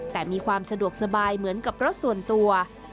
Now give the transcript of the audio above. แต่มีความสะดวกสบายเหมือนกับรถส่วนตัว